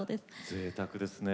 ぜいたくですね。